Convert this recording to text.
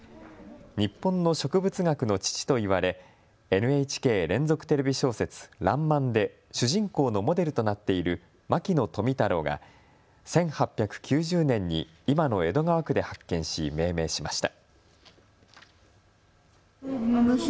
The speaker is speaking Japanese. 日本の植物学の父と言われＮＨＫ連続テレビ小説、らんまんで主人公のモデルとなっている牧野富太郎が１８９０年に今の江戸川区で発見し命名しました。